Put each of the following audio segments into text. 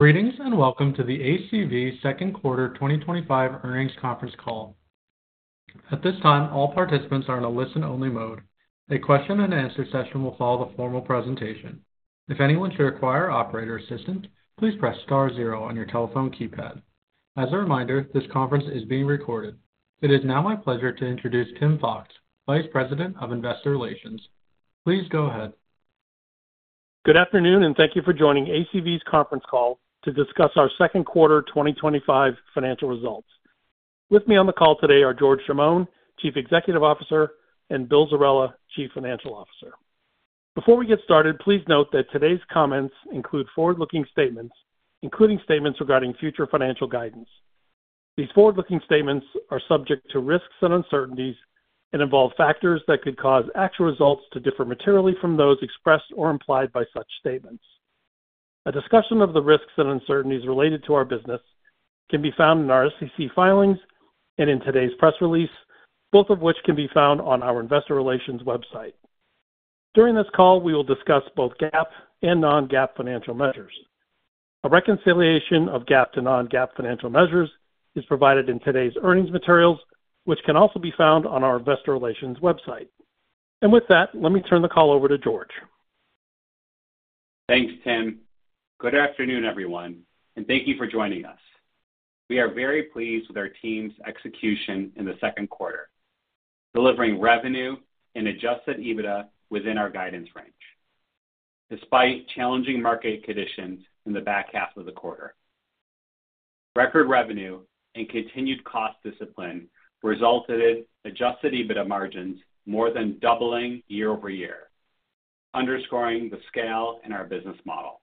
Greetings and welcome to the ACV second quarter 2025 earnings conference call. At this time, all participants are in a listen only mode. A question and answer session will follow the formal presentation. If anyone should require operator assistance, please press star zero on your telephone keypad. As a reminder, this conference is being recorded. It is now my pleasure to introduce Tim Fox, Vice President of Investor Relations. Please go ahead. Good afternoon and thank you for joining ACV's conference call to discuss our second quarter 2025 financial results. With me on the call today are George Chamoun, Chief Executive Officer, and William Zerella, Chief Financial Officer. Before we get started, please note that today's comments include forward looking statements, including statements regarding future financial guidance. These forward looking statements are subject to risks and uncertainties and involve factors that could cause actual results to differ materially from those expressed or implied by such statements. A discussion of the risks and uncertainties related to our business can be found in our SEC filings and in today's press release, both of which can be found on our investor relations website. During this call we will discuss both GAAP and non-GAAP financial measures. A reconciliation of GAAP to non-GAAP financial measures is provided in today's earnings materials, which can also be found on our investor relations website. With that, let me turn the call over to George. Thanks Tim. Good afternoon everyone and thank you for joining us. We are very pleased with our team's execution in the second quarter, delivering revenue and Adjusted EBITDA within our guidance range. Despite challenging market conditions in the back half of the quarter, record revenue and continued cost discipline resulted in Adjusted EBITDA margins more than doubling year-over-year, underscoring the scale in our business model.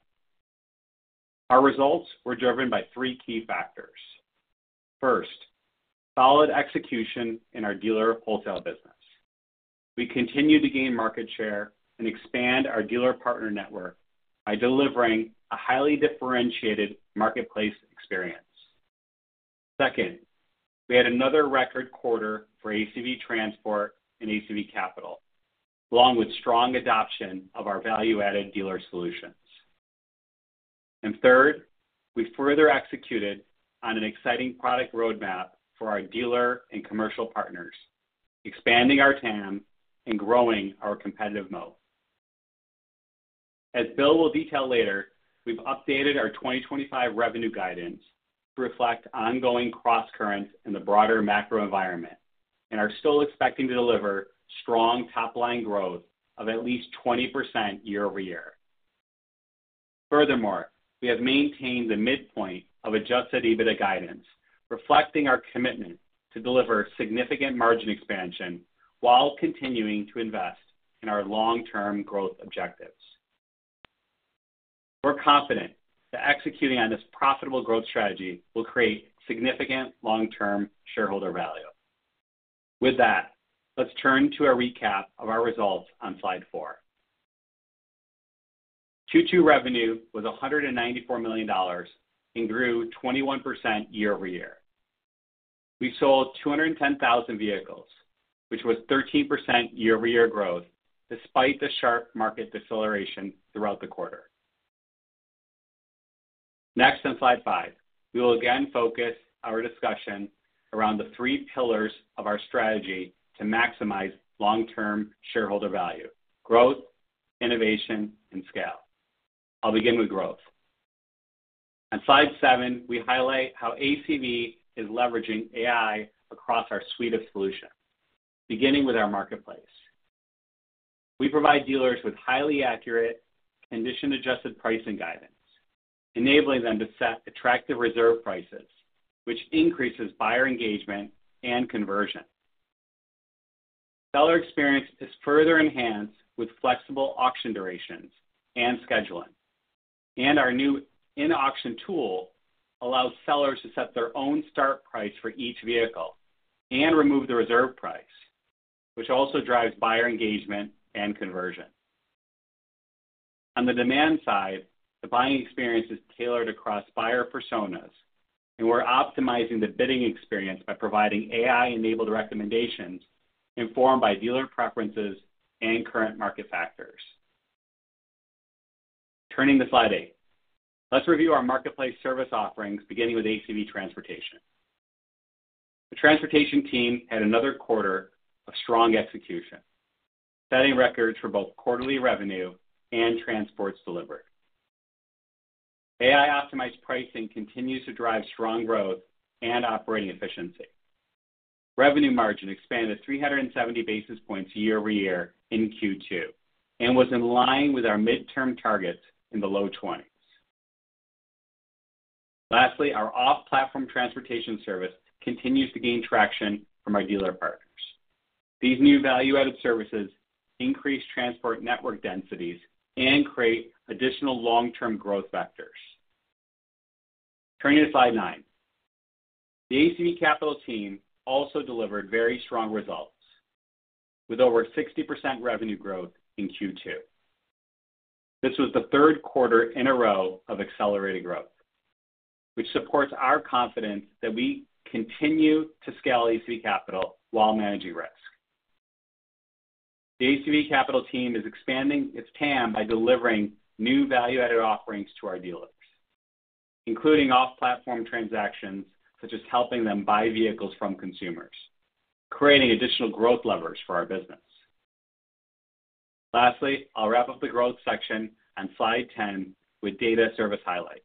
Our results were driven by three key factors. First, solid execution in our dealer wholesale business. We continue to gain market share and expand our dealer partner network by delivering a highly differentiated marketplace experience. Second, we had another record quarter for ACV Transport and ACV Capital along with strong adoption of our value-added dealer solutions. Third, we further executed on an exciting product roadmap for our dealer and commercial partners, expanding our TAM and growing our competitive moat. As Bill will detail later, we've updated our 2025 revenue guidance to reflect ongoing cross currents in the broader macro environment and are still expecting to deliver strong top line growth of at least 20% year-over-year. Furthermore, we have maintained the midpoint of Adjusted EBITDA guidance reflecting our commitment to deliver significant margin expansion while continuing to invest in our long-term growth objectives. We're confident that executing on this profitable growth strategy will create significant long-term shareholder value. With that, let's turn to a recap of our results on slide four. Q2 revenue was $194 million and grew 21% year-over-year. We sold 210,000 vehicles which was 13% year-over-year growth despite the sharp market deceleration throughout the quarter. Next, on slide five, we will again focus our discussion around the three pillars of our strategy to maximize long-term shareholder value: growth, innovation, and scale. I'll begin with growth. On slide seven, we highlight how ACV is leveraging AI capabilities across our suite of solutions. Beginning with our marketplace, we provide dealers with highly accurate condition-adjusted pricing guidance, enabling them to set attractive reserve prices, which increases buyer engagement and conversion. Seller experience is further enhanced with flexible auction durations and scheduling, and our new IN Auction tool allows sellers to set their own start price for each vehicle and remove the reserve price, which also drives buyer engagement and conversion. On the demand side, the buying experience is tailored across buyer personas, and we're optimizing the bidding experience by providing AI-enabled recommendations informed by dealer preferences and current market factors. Turning to slide eight, let's review our marketplace service offerings. Beginning with ACV Transport, the transportation team had another quarter of strong execution, setting records for both quarterly revenue and transports delivered. AI-optimized pricing continues to drive strong growth and operating efficiency. Revenue margin expanded 370 basis points year-over-year in Q2 and was in line with our midterm targets in the low 20s. Lastly, our off-platform transportation service continues to gain traction from our dealer partner network. These new value-added services increase transport network densities and create additional long-term growth factors. Turning to slide nine, the ACV Capital team also delivered very strong results with over 60% revenue growth in Q2. This was the third quarter in a row of accelerated growth, which supports our confidence that we continue to scale ACV Capital while managing risk. The ACV Capital team is expanding its TAM by delivering new value-added offerings to our dealers, including off-platform transactions such as helping them buy vehicles from consumers, creating additional growth levers for our business. Lastly, I'll wrap up the growth section on slide 10 with data service highlights.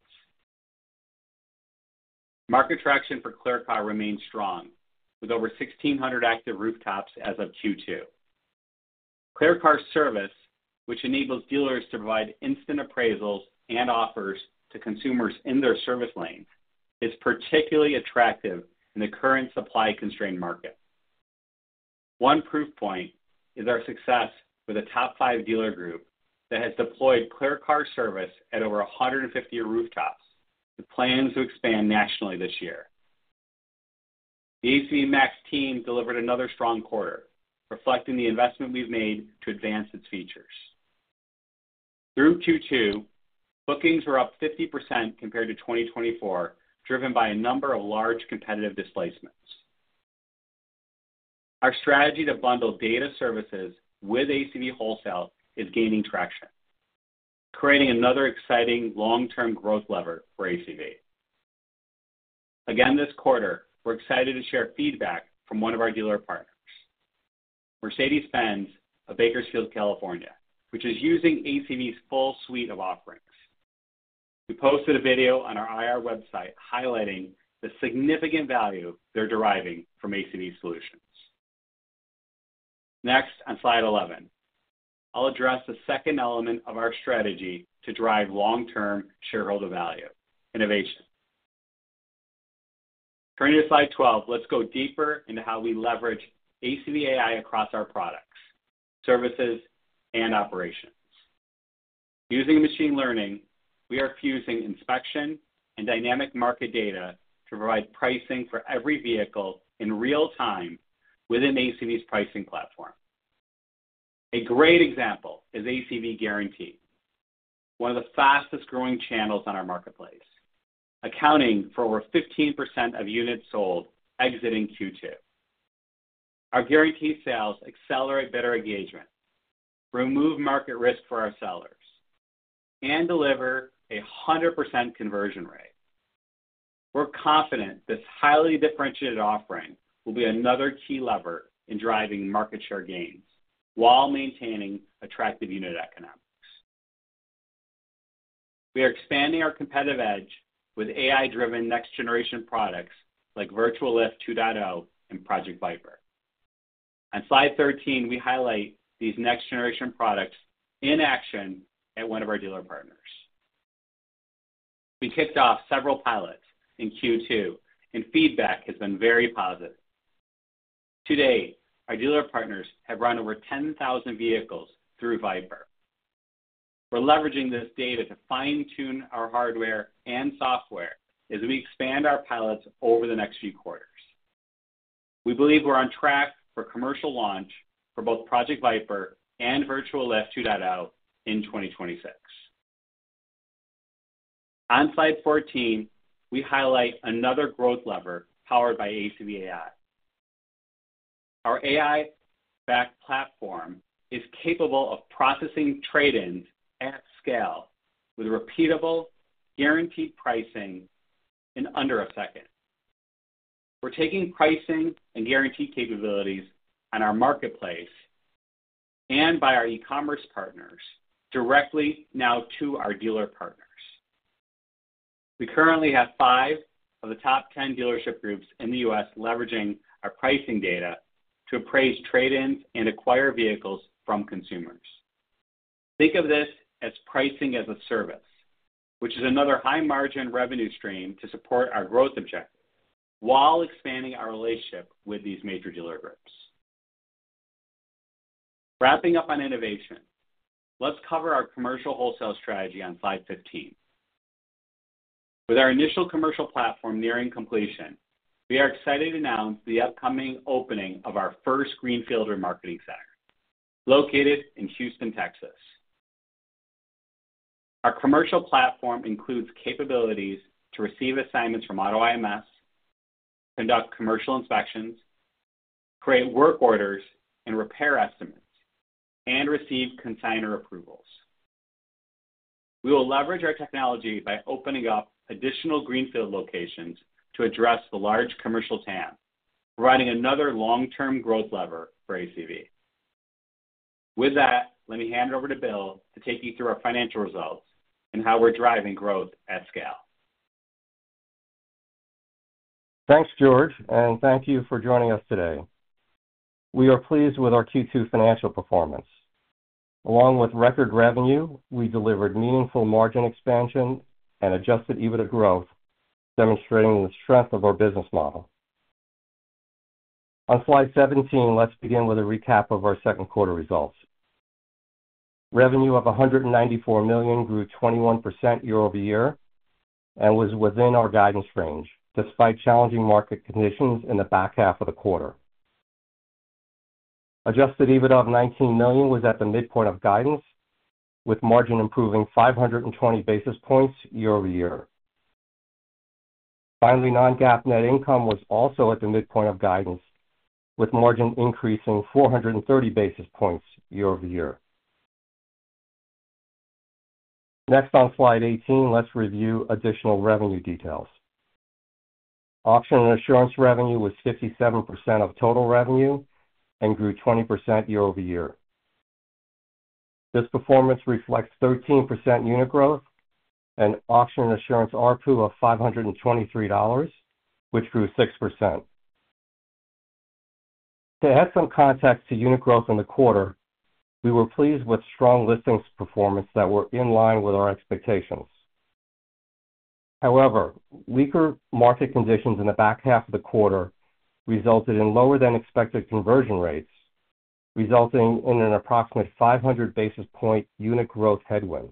Market traction for ClearCar remains strong with over 1,600 active rooftops as of Q2. ClearCar service, which enables dealers to provide instant appraisals and offers to consumers in their service lanes, is particularly attractive in the current supply-constrained market. One proof point is our success with a top five dealer group that has deployed ClearCar service at over 150 rooftops. The plan is to expand nationally this year. The ACV MAX team delivered another strong quarter, reflecting the investment we've made to advance its features through Q2. Bookings were up 50% compared to 2024, driven by a number of large competitive displacements. Our strategy to bundle data services with ACV wholesale is gaining traction, creating another exciting long-term growth lever for ACV. This quarter we're excited to share feedback from one of our dealer partners, Mercedes-Benz of Bakersfield, California, which is using ACV's full suite of offerings. We posted a video on our IR website highlighting the significant value they're deriving from ACV solutions. Next, on Slide 11, I'll address the second element of our strategy to drive long-term shareholder value: innovation. Turning to Slide 12, let's go deeper into how we leverage ACV AI across our products, services, and operations. Using machine learning, we are fusing inspection and dynamic market data to provide pricing for every vehicle in real time within ACV's pricing platform. A great example is ACV Guarantee, one of the fastest growing channels on our marketplace, accounting for over 15% of units sold. Exiting Q2, our Guarantee sales accelerate better engagement, remove market risk for our sellers, and deliver a 100% conversion rate. We're confident this highly differentiated offering will be another key lever in driving market share gains while maintaining attractive unit economics. We are expanding our competitive edge with AI-driven next generation products like Virtual Lift 2.0 and Project Viper. On Slide 13, we highlight these next generation products in action at one of our dealer partners. We kicked off several pilots in Q2 and feedback has been very positive. Today, our dealer partners have run over 10,000 vehicles through Viper. We're leveraging this data to fine-tune our hardware and software as we expand our pilots over the next few quarters. We believe we're on track for commercial launch for both Project Viper and Virtual Lift 2.0 in 2026. On Slide 14, we highlight another growth lever powered by ACV AI. Our AI-backed platform is capable of processing trade-ins at scale with repeatable guaranteed pricing in under a second. We're taking pricing and guarantee capabilities on our marketplace and by our e-commerce partners directly. Now to our dealer partners. We currently have five of the top 10 dealership groups in the U.S. leveraging our pricing data to appraise trade ins and acquire vehicles from consumers. Think of this as pricing-as-a-service, which is another high margin revenue stream to support our growth objectives while expanding our relationship with these major dealer groups. Wrapping up on innovation, let's cover our commercial wholesale strategy on slide 15. With our initial commercial platform nearing completion, we are excited to announce the upcoming opening of our first greenfield Remarketing Center located in Houston, Texas. Our commercial platform includes capabilities to receive assignments from AutoIMS, conduct commercial inspections, create work orders and repair estimates, and receive consigner approvals. We will leverage our technology by opening up additional greenfield locations to address the large commercial TAM, providing another long term growth lever for ACV. With that, let me hand it over to Bill to take you through our financial results and how we're driving growth at scale. Thanks George and thank you for joining us today. We are pleased with our Q2 financial performance. Along with record revenue, we delivered meaningful margin expansion and Adjusted EBITDA growth, demonstrating the strength of our business model. On slide 17, let's begin with a recap of our second quarter results. Revenue of $194 million grew 21% year-over-year and was within our guidance range despite challenging market conditions in the back half of the quarter. Adjusted EBITDA of $19 million was at the midpoint of guidance with margin improving 520 basis points year-over-year. Finally, non-GAAP net income was also at the midpoint of guidance with margin increasing 430 basis points year-over-year. Next on slide 18, let's review additional revenue details. Auction and assurance revenue was 57% of total revenue and grew 20% year-over-year. This performance reflects 13% unit growth and auction assurance ARPU of $523, which grew 6%. To add some context to unit growth in the quarter, we were pleased with strong listings performance that were in line with our expectations. However, weaker market conditions in the back half of the quarter resulted in lower than expected conversion rates, resulting in an approximate 500 basis point unit growth headwind.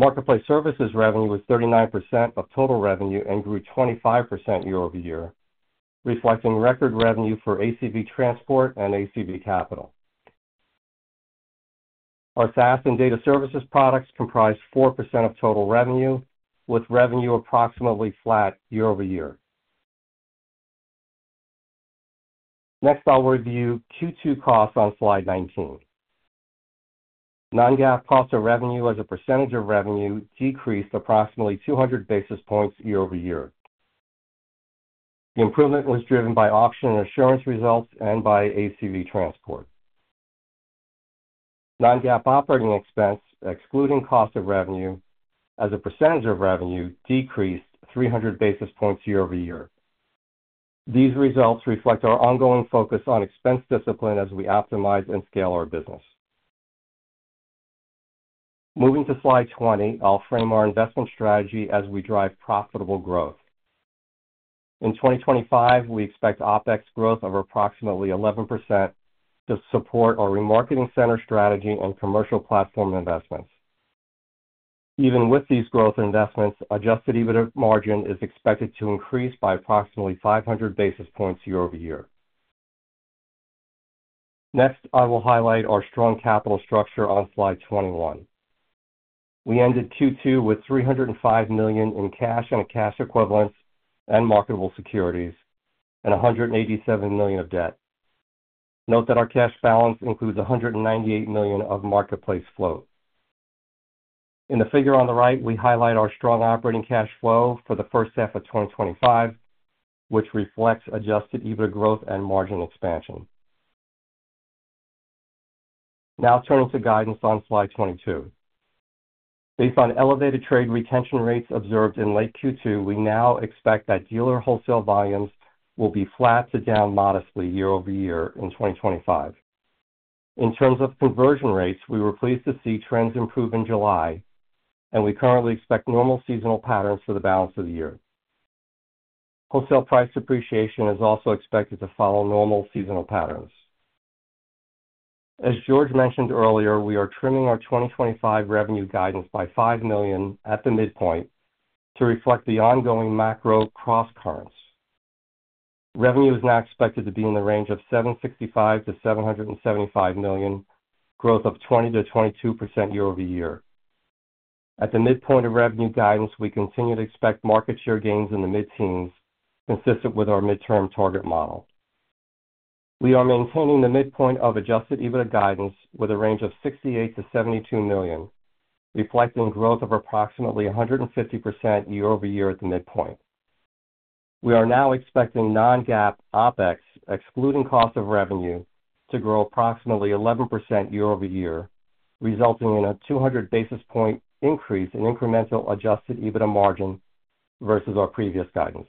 Marketplace Services revenue was 39% of total revenue and grew 25% year-over-year, reflecting record revenue for ACV Transport and ACV Capital. Our SaaS and data services products comprised 4% of total revenue with revenue approximately flat year-over-year. Next, I'll review Q2 costs on slide 19. Non-GAAP cost of revenue as a percentage of revenue decreased approximately 200 basis points year-over-year. The improvement was driven by auction and assurance results and by ACV Transport. Non-GAAP operating expense excluding cost of revenue as a percentage of revenue decreased 300 basis points year-over-year. These results reflect our ongoing focus on expense discipline as we optimize and scale our business. Moving to slide 20, I'll frame our investment strategy as we drive profitable growth in 2025. We expect OpEx growth of approximately 11% to support our Remarketing Center strategy and commercial platform investments. Even with these growth investments, Adjusted EBITDA margin is expected to increase by approximately 500 basis points year-over-year. Next, I will highlight our strong capital structure on slide 21. We ended Q2 with $305 million in cash, cash equivalents, and marketable securities and $187 million of debt. Note that our cash balance includes $198 million of marketplace float. In the figure on the right, we highlight our strong operating cash flow for the first half of 2025, which reflects Adjusted EBITDA growth and margin expansion. Now turning to guidance on Slide 22, based on elevated trade retention rates observed in late Q2, we now expect that dealer wholesale volumes will be flat to down modestly year-over-year in 2025. In terms of conversion rates, we were pleased to see trends improve in July, and we currently expect normal seasonal patterns for the balance of the year. Wholesale price appreciation is also expected to follow normal seasonal patterns. As George mentioned earlier, we are trimming our 2025 revenue guidance by $5 million at the midpoint to reflect the ongoing macro cross currents. Revenue is now expected to be in the range of $765 million-$775 million, growth of 20%-22% year-over-year. At the midpoint of revenue guidance, we continue to expect market share gains in the mid teens. Consistent with our midterm target model, we are maintaining the midpoint of Adjusted EBITDA guidance with a range of $68 million-$72 million, reflecting growth of approximately 150% year-over-year. At the midpoint, we are now expecting non-GAAP OpEx excluding cost of revenue to grow approximately 11% year-over-year, resulting in a 200 basis point increase in incremental Adjusted EBITDA margin versus our previous guidance.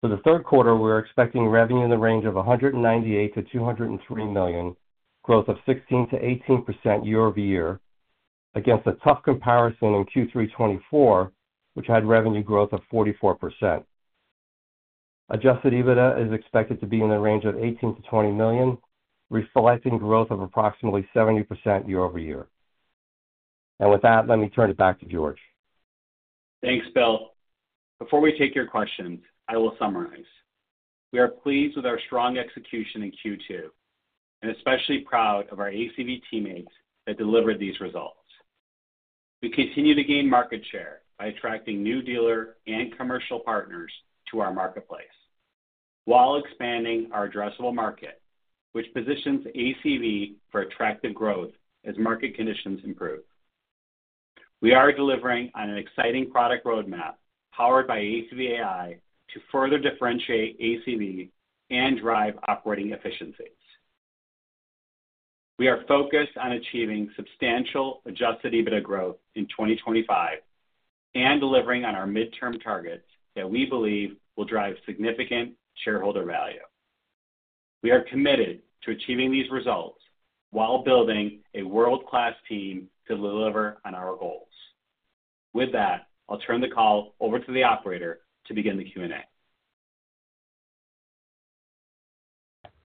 For the third quarter, we're expecting revenue in the range of $198 million-$203 million, growth of 16%-18% year-over-year against a tough comparison in Q3 2024, which had revenue growth of 44%. Adjusted EBITDA is expected to be in the range of $18 million-$20 million, reflecting growth of approximately 70% year-over-year. With that, let me turn it back to George. Thanks, Bill. Before we take your questions, I will summarize. We are pleased with our strong execution in Q2 and especially proud of our ACV teammates that delivered these results. We continue to gain market share by attracting new dealer and commercial partners to our marketplace while expanding our addressable market, which positions ACV for attractive growth. As market conditions improve, we are delivering on an exciting product roadmap powered by ACV AI. To further differentiate ACV and drive operating efficiencies. We are focused on achieving substantial Adjusted EBITDA growth in 2025 and delivering on our midterm targets that we believe will drive significant shareholder value. We are committed to achieving these results while building a world-class team to deliver on our goals, I'll turn the call over to the operator to begin the Q and A.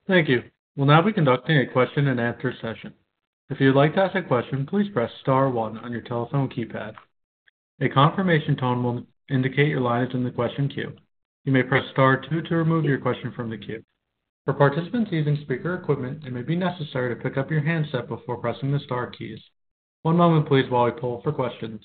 Thank you. We'll now be conducting a question and answer session. If you'd like to ask a question, please press star one on your telephone keypad. A confirmation tone will indicate your line is in the question queue. You may press star two to remove your question from the queue. For participants using speaker equipment, it may be necessary to pick up your handset before pressing the star keys. One moment please, while we poll for questions.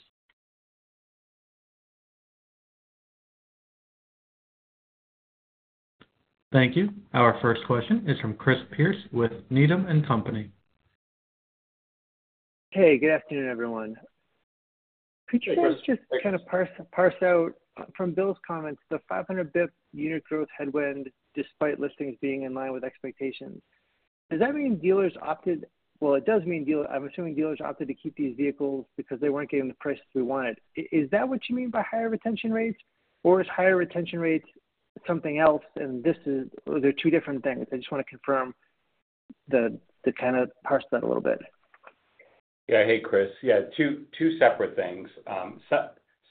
Thank you. Our first question is from Chris Pierce with Needham & Company. Okay, good afternoon everyone. Just kind of parse out from Bill's comments the 500 basis points unit growth headwind despite listings being in line with expectations. Does that mean dealers opted? It does mean dealer. I'm assuming dealers opted to keep these vehicles because they weren't getting the prices we wanted. Is that what you mean by higher trade retention rates, or is higher trade retention rates something else? This is. They're two different things. I just want to confirm the tenant. Parse that a little bit. Yeah. Hey Chris. Yeah, two separate things.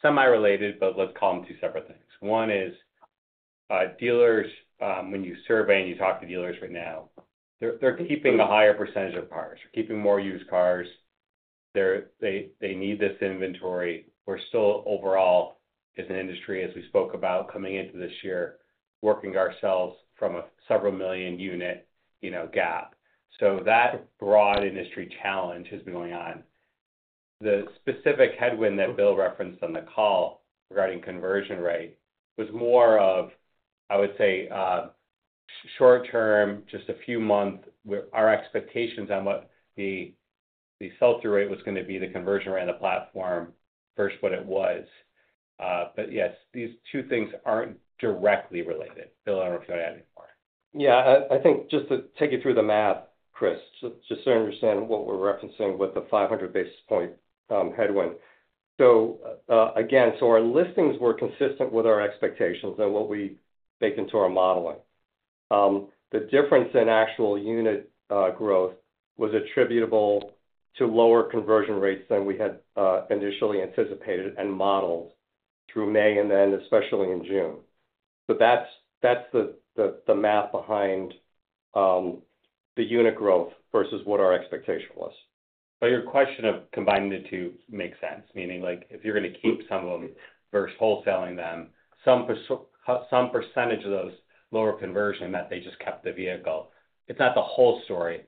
Semi related, but let's call them two separate things. One is dealers. When you survey and you talk to dealers right now, they're keeping the higher percentage of cars, keeping more used cars. They need this inventory. We're still overall as an industry, as we spoke about coming into this year, working ourselves from a several million unit gap. That broad industry challenge has been going on. The specific headwind that Bill referenced on the call regarding conversion rate was more of, I would say, short term, just a few months. Our expectations on what the sell through rate was going to be, the conversion rate of the platform first, what it was. Yes, these two things aren't directly related. Bill, I don't know if you want to add any more. Yeah, I think just to take you through the math, Chris, just so you understand what we're referencing with the 500 basis point headwind. Our listings were consistent with our expectations and what we bake into our modeling. The difference in actual unit growth was attributable to lower conversion rates than we had initially anticipated and modeled through May, especially in June. That's the math behind the unit growth versus what our expectation was. Your question of combining the two makes sense. Meaning if you're going to keep some of them versus wholesaling them, some percentage of those lower conversion meant they just kept the vehicle. It's not the whole story.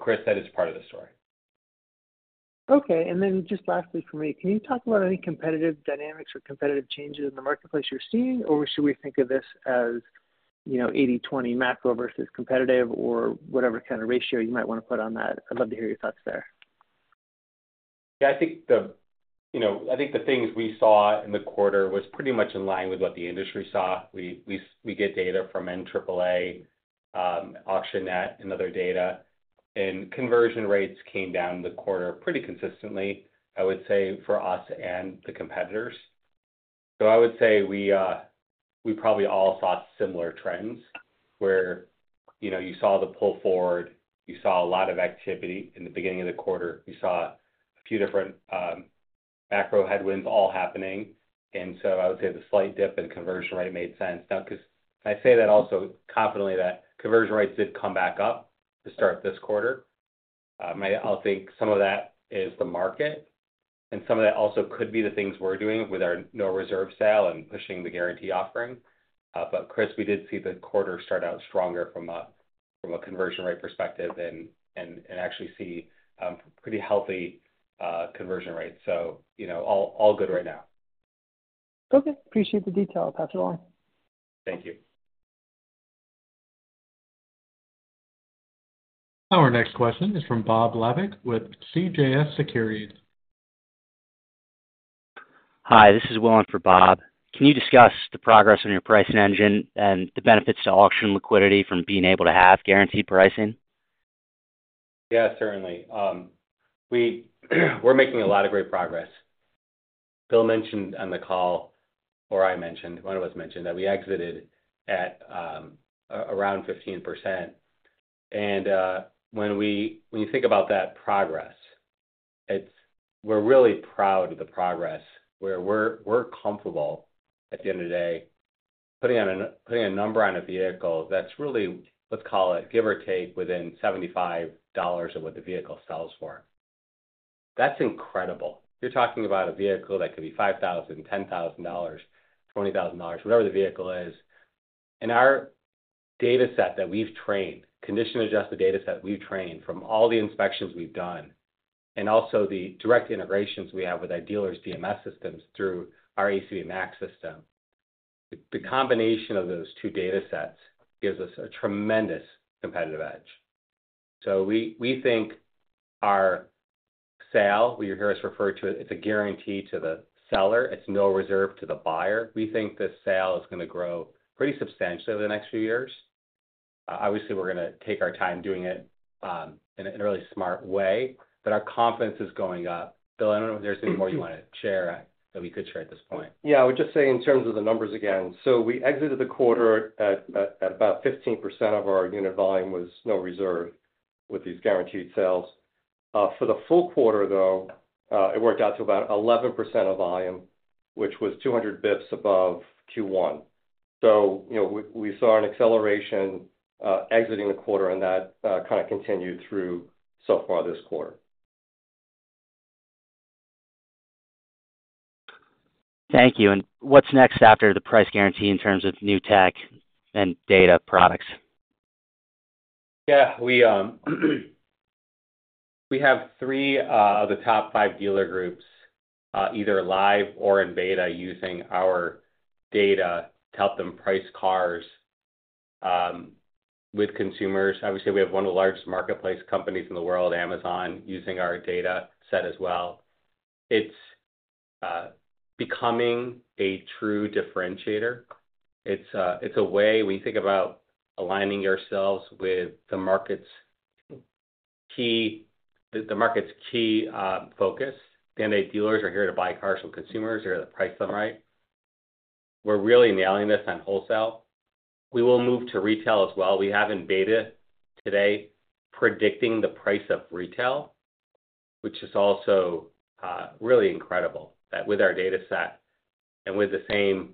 Chris, that is part of the story. Okay. Lastly for me, can you talk about any competitive dynamics or competitive changes in the marketplace you're seeing. Should we think of this as, you know, 80/20 macro versus competitive or whatever kind of ratio you might? I'd love to hear your thoughts there. I think the things we saw in the quarter were pretty much in line with what the industry saw. We get data from NAAA Auction and other data, and conversion rates came down the quarter pretty consistently, I would say, for us and the competitors. I would say we probably all thought similar trends where you saw the pull forward, you saw a lot of activity in the beginning of the quarter, you saw a few different macro headwinds all happening. I would say the slight dip in the conversion rate made sense now, because I say that also confidently, that conversion rates did come back up to start this quarter. I think some of that is the market and some of that also could be the things we're doing with our no reserve sale and pushing the guarantee offering. Chris, we did see the quarter start out stronger from a conversion rate perspective and actually see pretty healthy conversion rate. All good right now. Okay. Appreciate the detail. I'll pass it along. Our next question is from Bob Labick with CJS Securities. Hi, this is Will on for Bob. Can you discuss the progress on your pricing engine and the benefits to auction liquidity from being able to have guaranteed pricing? Yeah, certainly. We're making a lot of great progress. Bill mentioned on the call or I mentioned, one of us mentioned that we exited at around 15%. When you think about that progress, we're really proud of the progress. We're comfortable at the end of the day putting a number on a vehicle that's really, let's call it, give or take, within $75 of what the vehicle sells for. That's incredible. You're talking about a vehicle that could be $5,000, $10,000, $20,000, whatever the vehicle is. Our data set that we've trained, condition-adjusted data set, we've trained from all the inspections we've done and also the direct integrations we have with our dealers' DMS systems through our ACV MAX system. The combination of those two data sets gives us a tremendous competitive edge. We think our sale, we hear us refer to it, it's a guarantee to the seller, it's no reserve to the buyer. We think this sale is going to grow pretty substantially over the next few years. Obviously, we're going to take our time doing it in a really smart way, but our confidence is going up. Bill, I don't know if there's any more you want to share that we could share at this point. Yeah, I would just say in terms of the numbers again, we exited the quarter at about 15% of our unit volume was no reserve. With these guaranteed sales for the full quarter, it worked out to about 11% of volume, which was 200 basis points above Q1. We saw an acceleration exiting the quarter, and that kind of continued through so far this quarter. Thank you. What's next after the price guarantee in terms of new tech and data products? We have three of the top five dealer groups either live or in beta, using our data to help them price cars with consumers. Obviously, we have one of the largest marketplace companies in the world, Amazon, using our data set as well. It's becoming a true differentiator. It's a way, when you think about aligning yourselves with the market's key, the market's key focus. DNA. Dealers are here to buy cars from consumers, here to price them. Right. We're really nailing this on wholesale. We will move to retail as well. We have in beta today predicting the price of retail, which is also really incredible that with our data set and with the same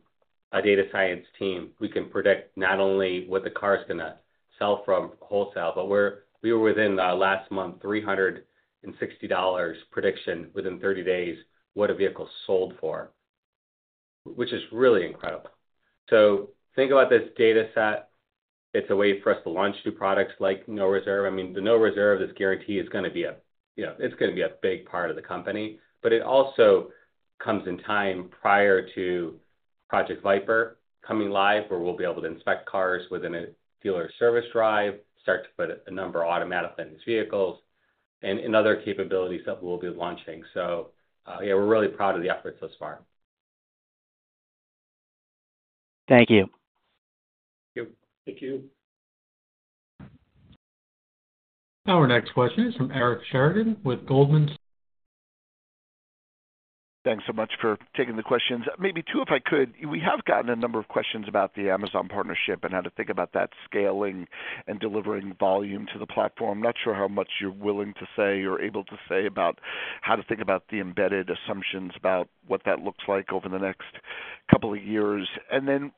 data science team, we can predict not only what the car is going to sell from wholesale, but we were within last month, $360 prediction within 30 days, what a vehicle sold for, which is really incredible. Think about this data set. It's a way for us to launch new products like no reserve. I mean the no reserve, this guarantee is going to be a, you know, it's going to be a big part of the company. It also comes in time prior to Project Viper coming live where we'll be able to inspect cars within a dealer service drive, start to put a number automatically in these vehicles and other capabilities that we'll be launching. We're really proud of the efforts thus far. Thank you. Thank you. Our next question is from Eric Sheridan with Goldman Sachs. Thanks so much for taking the questions. Maybe two if I could. We have gotten a number of questions about the Amazon partnership and how to think about that scaling and delivering volume to the platform. Not sure how much you're willing to say or able to say about how to think about the embedded assumptions about what that looks like over the next couple of years, and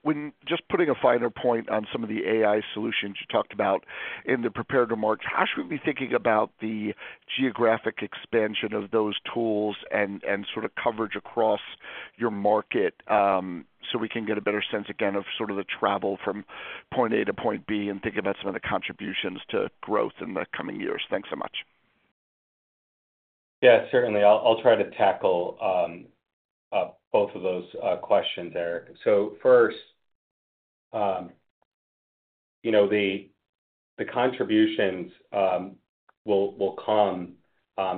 just putting a finer point on some of the AI solutions you talked about in the prepared remarks. How should we be thinking about the geographic expansion of those tools and sort of coverage across your market so we can get a better sense again of the travel from point A to point B and think about some of the contributions to growth in the coming years? Thanks so much. Yeah, certainly, I'll try to tackle both of those questions, Eric. So first. The contributions will come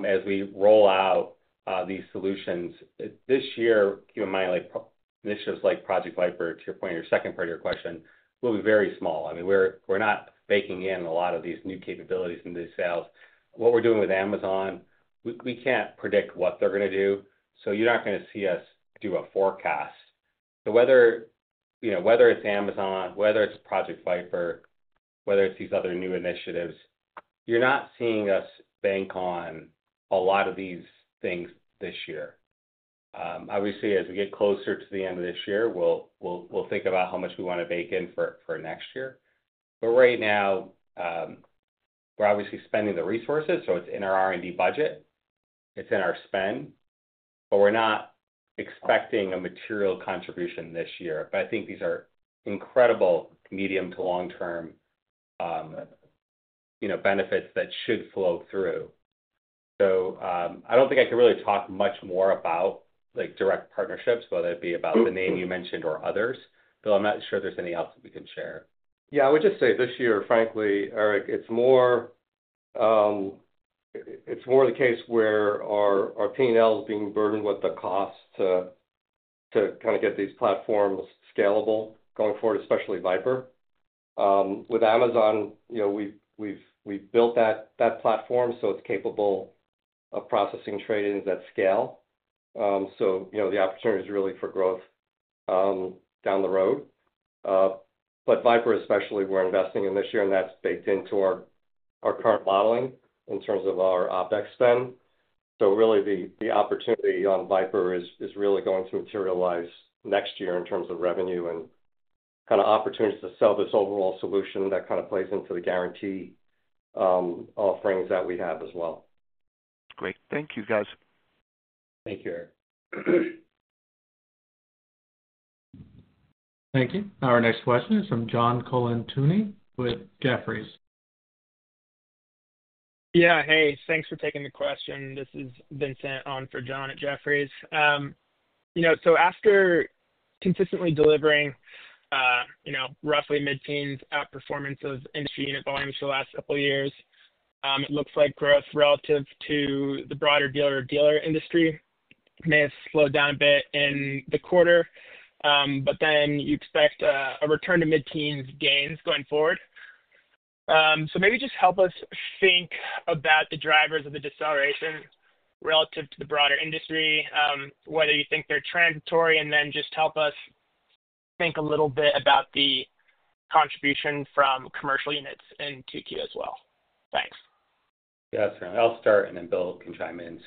as we roll out these solutions this year. Keep in mind, initiatives like Project Viper. To your point, your second part of your question will be very small. I mean, we're not baking in a lot of these new capabilities and these sales. What we're doing with Amazon, we can't predict what they're going to do. You're not going to see us do a forecast. Whether it's Amazon, whether it's Project Viper, whether it's these other new initiatives, you're not seeing us bank on a lot of these things this year. Obviously, as we get closer to the end of this year, we'll think about how much we want to bake in for next year. Right now we're obviously spending the resources. It's in our R&D budget, it's in our spend, but we're not expecting a material contribution this year. I think these are incredible medium to long term benefits that should flow through. I don't think I could really talk much more about direct partnerships, whether it be about the name you mentioned or others, but I'm not sure there's any outlet we can share. Yeah, I would just say this year, frankly, Eric, it's more the case where our P&L is being burdened with the cost to kind of get these platforms scalable going forward, especially Viper. With Amazon, we built that platform so it's capable of processing trade-ins at scale. You know, the opportunity is really for growth down the road. Viper especially, we're investing in this year and that's baked into our current modeling in terms of our OpEx spend. Really, the opportunity on Viper is going to materialize next year in terms of revenue and opportunities to sell this overall solution that plays into the guaranteed pricing things that we have as well. Great. Thank you guys. Thank you. Thank you. Our next question is from John Colantuoni with Jefferies. Yeah, hey, thanks for taking the question. This has been sent on for John at Jefferies. After consistently delivering roughly mid teens outperformance of entry unit volumes for the last couple years, it looks like growth relative to the broader dealer industry may have slowed down a bit in the quarter. You expect a return to mid teens gains going forward. Maybe just help us think about the drivers of the deceleration relative to the broader industry, whether you think they're transitory, and then just help us think a little bit about the contribution from commercial units in 2Q as well. Thanks. Yeah, certainly I'll start and then Bill can chime in.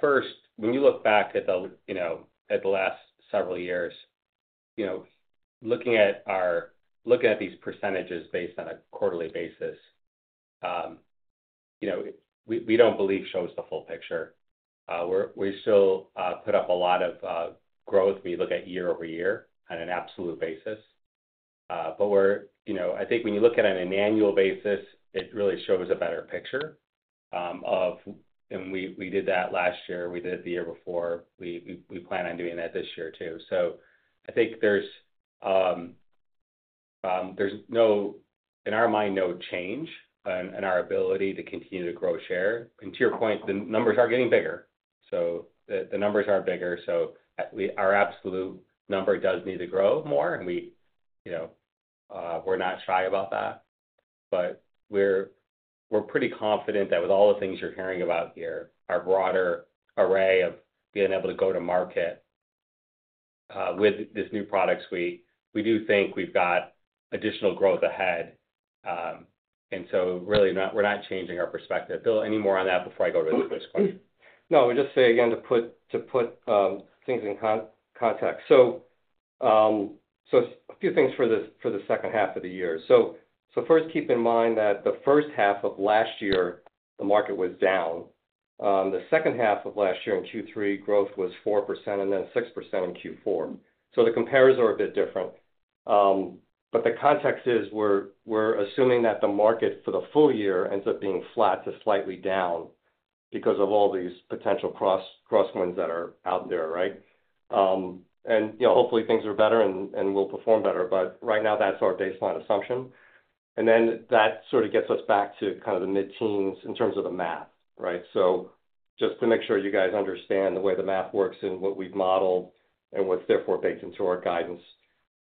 First, when you look back at the last several years, looking at these percentages based on a quarterly basis. We don't believe shows the full picture. We still put up a lot of growth. We look at year-over-year on an absolute basis. When you look at an annual basis, it really shows a better picture of, and we did that last year. We did it the year before. We plan on doing that this year too. I think there's no, in our mind, no change in our ability to continue to grow share, and to your point, the numbers are getting bigger. The numbers are bigger, so our absolute number does need to grow more. We're not shy about that, but we're pretty confident that with all the things you're hearing about here, our broader array of being able to go to market with these new products, we do think we've got additional growth ahead, and we're not changing our perspective. Bill, any more on that before I. I would just say again to put things in context, so a few things for the second half of the year. First, keep in mind that the first half of last year the market was down. The second half of last year in Q3 growth was 4% and then 6% in Q4. The compares are a bit different, but the context is we're assuming that the market for the full year ends up being flat to slightly down because of all these potential crosswinds that are out there right. Hopefully things are better and will perform better. Right now that's our baseline assumption and that sort of gets us back to kind of the mid-teens in terms of the math. Right. Just to make sure you guys understand the way the math works and what we've modeled and what's therefore baked into our guidance,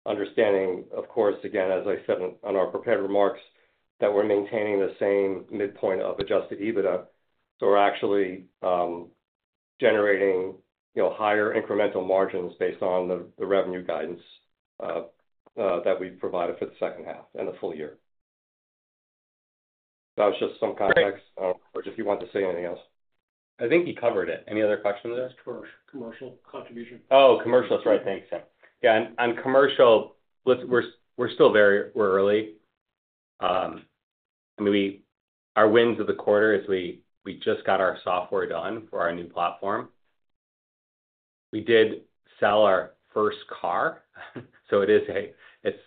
understanding of course, again, as I said on our prepared remarks, that we're maintaining the same midpoint of Adjusted EBITDA, so we're actually generating higher incremental margins based on the revenue guidance that we provided for the second half and the full year. That was just some context, if you want to say anything else. I think he covered it. Any other questions? Commercial contribution. Oh, commercial. That's right. Thanks, Tim. Yeah, on commercial, we're still very early. Our wins of the quarter is we just got our software done for our new platform. We did sell our first car. It is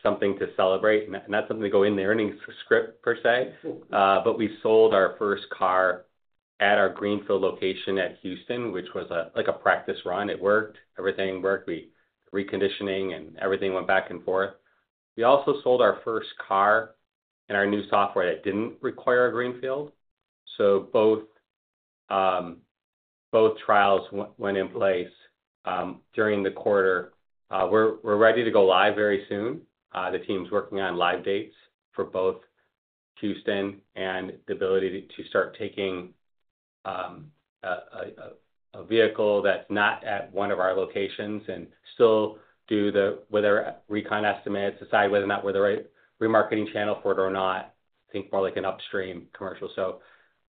something to celebrate, not something to go in the earnings script per se, but we sold our first car at our greenfield location at Houston, Texas, which was like a practice run. It worked. Everything worked. We reconditioning and everything went back and forth. We also sold our first car in our new software that didn't require a greenfield. So both. Both trials went in place during the quarter. We're ready to go live very soon. The team's working on live dates for both Houston, Texas and the ability to start taking a vehicle that's not at one of our locations and still do the, with our recon estimates, decide whether or not we're the right remarketing channel for it or not. Think more like an upstream commercial.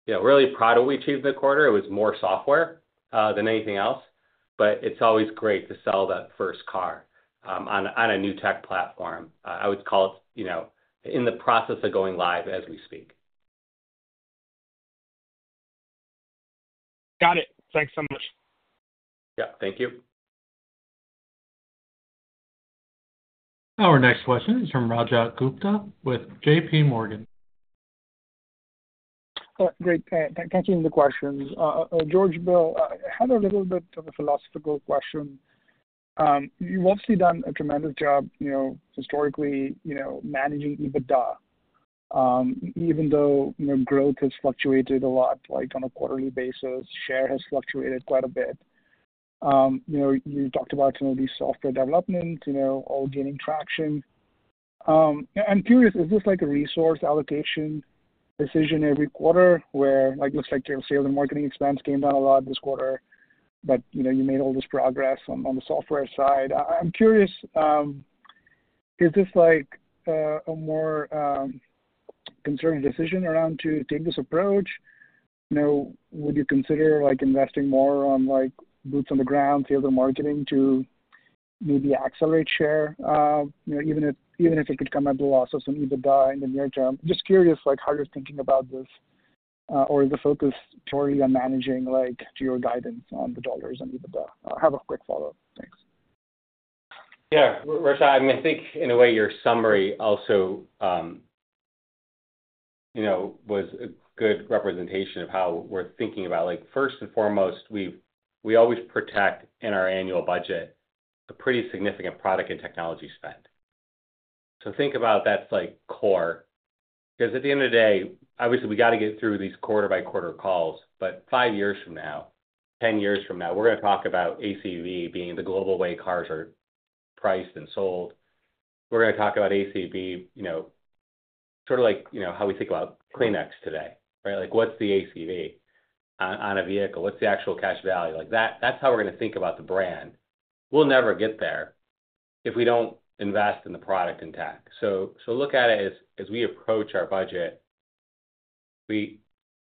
Really proud of what we achieved the quarter. It was more software than anything else. It's always great to sell that first car on a new tech platform, I would call it, in the process of going live as we speak. Got it. Thanks so much. Yeah, thank you. Our next question is from Rajat Gupta with JPMorgan. Great. Thank you for the questions, George. Bill had a little bit of a philosophical question. You've obviously done a tremendous job, you know, historically managing EBITDA. Even though growth has fluctuated a lot, like on a quarterly basis, share has fluctuated quite a bit. You talked about some of these software development all gaining traction. I'm curious, is this a resource allocation decision every quarter where it looks like sales and marketing expense came down a lot this quarter, but you made all this progress on the software side? I'm curious, is this like a more concerning decision around to take this approach? You know, would you consider like investing more on like boots on the ground sales and marketing to maybe accelerate share, you know, even if, even if it could come at the loss of some EBITDA in the near term. Just curious, like how you're thinking about this or the focus totally on managing, like your guidance on the dollars and EBITDA. I have a quick follow-up. Thanks. Yeah, Russia. I think in a way your summary also was a good representation of how we're thinking about, like, first and foremost, we always protect in our annual budget a pretty significant product and technology spend. Think about that's like core because at the end of the day, obviously we got to get through these quarter by quarter calls. Five years from now, 10 years from now, we're going to talk about ACV Auctions Inc. being the global way cars are priced and sold. We're going to talk about ACV, you know, sort of like how we think about Kleenex today, right? Like what's the ACV on a vehicle? What's the actual cash value? Like that. That's how we're going to think about the brand. We'll never get there if we don't invest in the product and tech. Look at it as we approach our budget. We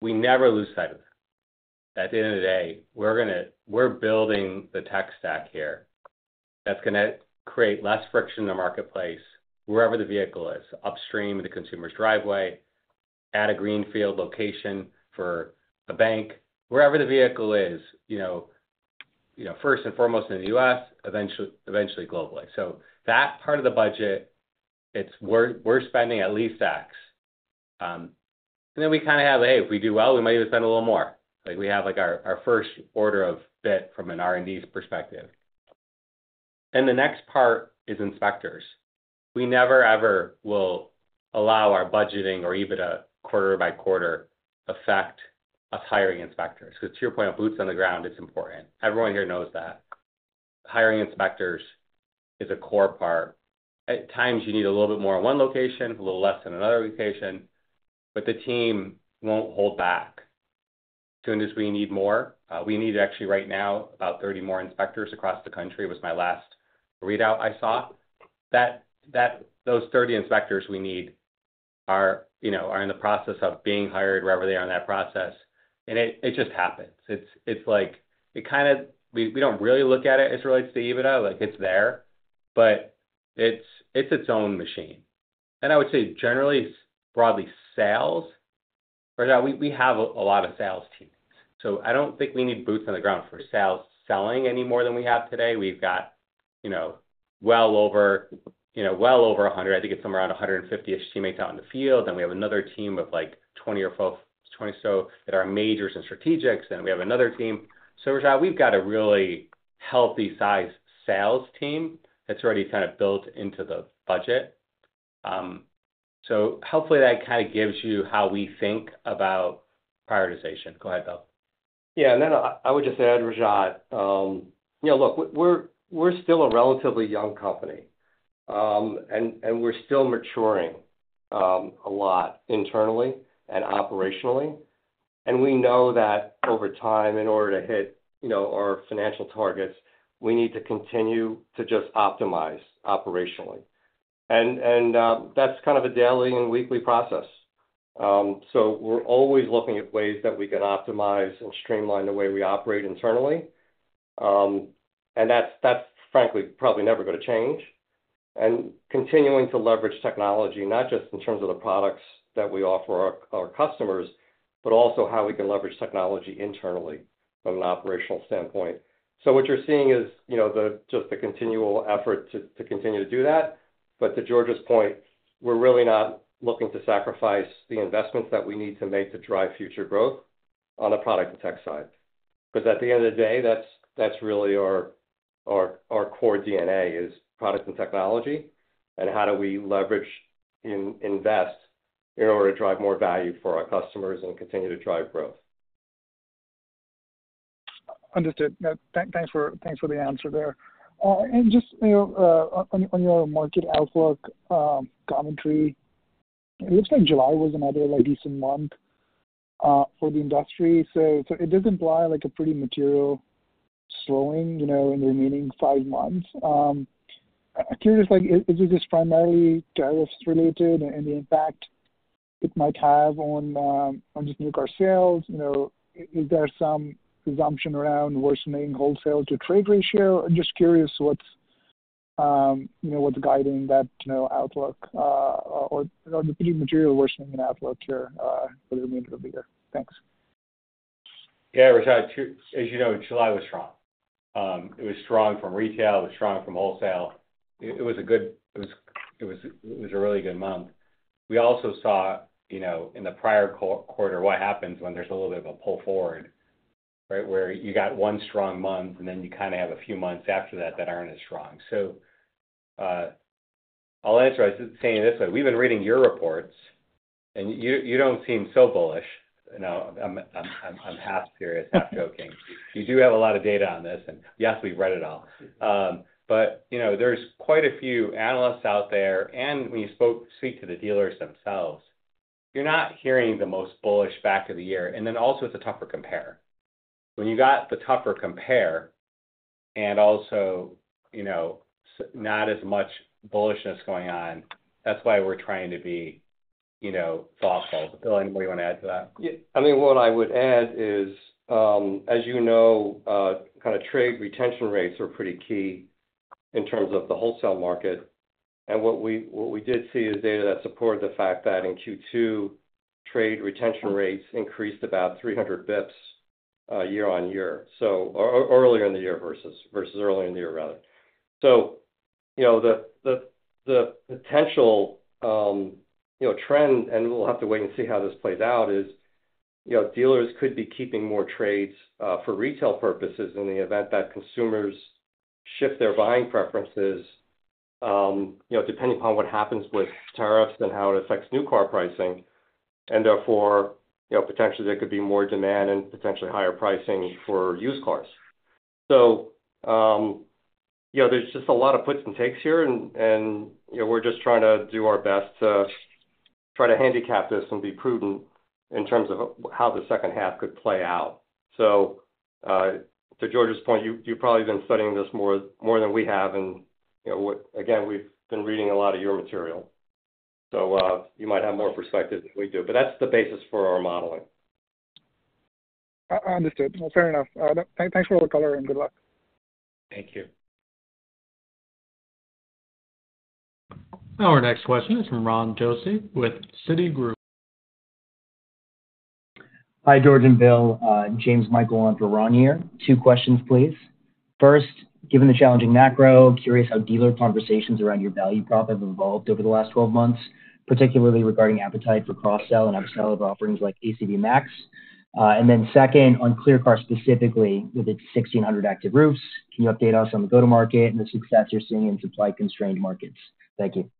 never lose sight of that. At the end of the day, we're going to, we're building the tech stack here that's going to create less friction in the marketplace. Wherever the vehicle is upstream, the consumer's driveway, at a greenfield location for a bank, wherever the vehicle is, first and foremost in the U.S., eventually, eventually globally. That part of the budget, it's worth, we're spending at least X and then we kind of have a, if we do well, we might even spend a little more. Like we have our first order of bit from an R&D perspective. The next part is inspectors. We never ever will allow our budgeting or EBITDA quarter by quarter effect of hiring inspectors. Because to your point of boots on the ground, it's important everyone here knows that hiring inspectors is a core part. At times you need a little bit more in one location, a little less in another location. The team won't hold back. As soon as we need more, we need actually right now about 30 more inspectors across the country. That was my last readout. I saw that those 30 inspectors we need are in the process of being hired wherever they are in that process. It just happens. It's like, it kind of, we don't really look at it as it relates to EBITDA. It's there, but it's its own machine. I would say, generally, broadly, sales are, yeah, we have a lot of sales teams. I don't think we need boots on the ground for sales selling any more than we have today. We've got well over, you know, well over 100, I think it's somewhere around 150ish teammates out in the field. We have another team of like 20 or 20, so that are majors and strategics, and we have another team. So, Rajat, we've got a really healthy size sales team that's already kind of built into the budget. Hopefully that kind of gives you how we think about prioritization. Go ahead, Bill. Yeah, and then I would just add, Rajat, you know, look, we're still a relatively young company and we're still maturing a lot internally and operationally. We know that over time, in order to hit our financial targets, we need to continue to just optimize operationally. That's kind of a daily and weekly process. We're always looking at ways that we can optimize and streamline the way we operate internally, and that's frankly probably never going to change. Continuing to leverage technology, not just in terms of the products that we offer our customers, but also how we can leverage technology internally from an operational standpoint. What you're seeing is just the continual effort to continue to do that. To George's point, we're really not looking to sacrifice the investments that we need to make to drive future growth on the product and tech side. Because at the end of the day. That's really our core DNA, is product and technology, and how do we leverage, invest in order to drive more value for our customers and continue to drive growth. Understood. Thanks for the answer there. Just on your market outlook commentary, it is like July was another decent month for the industry. It does imply a pretty material slowing in the remaining five months. Curious, is it just primarily tariffs related and the impact it might have on just new car sales? Is there some assumption around worsening wholesale to trade ratio? I'm just curious what's guiding that outlook or material worsening in outlook here. Thanks. Yeah. Rajat, as you know, July was strong. It was strong from retail, was strong from wholesale. It was a really good month. We also saw in the prior quarter what happens when there's a little bit of a pull forward, right, where you got one strong month and then you kind of have a few months after that that aren't as strong. I'll answer by saying this way. We've been reading your reports and you don't seem so bullish. I'm half period, not joking. You do have a lot of data on this and yes, we've read it all, but there's quite a few analysts out there and when you speak to the dealers themselves, you're not hearing the most bullish back of the year. It's a tougher compare when you got the tougher compare and also not as much bullishness going on. That's why we're trying to be thoughtful. Bill, anybody want to add to that? Yeah, I mean, what I would add is as, you know, trade retention rates are pretty key in terms of the wholesale market. What we did see is data that supported the fact that in Q2, trade retention rates increased about 300 basis points year on year. Earlier in the year versus early in the year rather than the potential trend, and we'll have to wait and see how this plays out, is dealers could be keeping more trades for retail purposes in the event that consumers shift their buying preferences depending upon what happens with tariffs and how it affects new car pricing. Therefore, potentially there could be more demand and potentially higher pricing for used cars. There's just a lot of puts and takes here, and we're just trying to do our best to try to handicap this and be prudent in terms of how the second half could play out. To George's point, you've probably been studying this more than we have. We've been reading a lot of your material, so you might have more perspective than we do, but that's the basis for our modeling. I understood. Fair enough. Thanks for all the color and good luck. Thank you. Our next question is from Ron Josey with Citigroup. Hi George and Bill, James Michael, and for Ron here, two questions please. First, given the challenging macro, curious how dealer conversations around your value prop have evolved over the last 12 months, particularly regarding appetite for cross sell and have a sell of offerings like ACV MAX. Second, on ClearCar specifically with its 1,600 active roofs, can you update us on the go-to-market and the success you're seeing in supply-constrained markets. Thank you.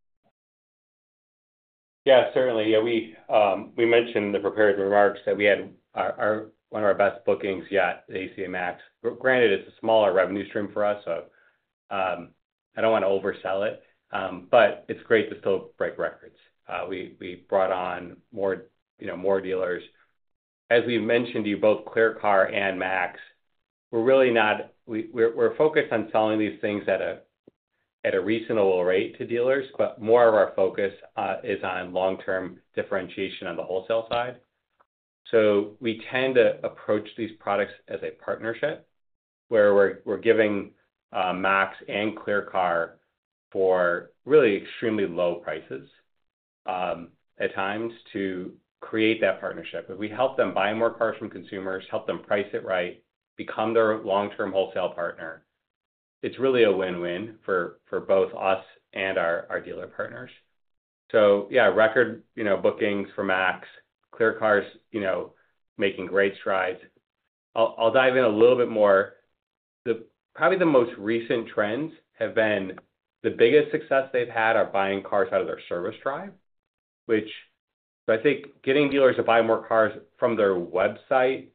Yeah, certainly, we mentioned in the prepared remarks that we had one of our best bookings yet for ACV MAX. Granted, it's a smaller revenue stream for us, so I don't want to oversell it, but it's great to still break records. We brought on more dealers, as we mentioned to you, both ClearCar and MAX. We're really not, we're focused on selling these things at a reasonable rate to dealers. More of our focus is on long-term differentiation on the wholesale side. We tend to approach these products as a partnership where we're giving MAX and ClearCar for really extremely low prices at times to create that partnership. If we help them buy more cars from consumers, help them price it right, become their long-term wholesale partner, it's really a win-win for both us and our dealer partners. Record bookings for MAX, ClearCar is making great strides. I'll dive in a little bit more. Probably the most recent trends have been the biggest success they've had are buying cars out of their service drive, which I think getting dealers to buy more cars from their website